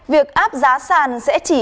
việc áp giá sàn sẽ chỉ